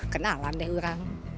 kenalan deh orang